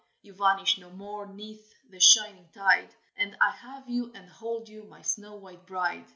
You vanish no more 'neath the shining tide, And I have you and hold you, my snow white bride!"